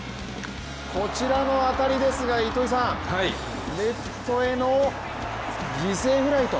こちらの当たりですがレフトへの犠牲フライと。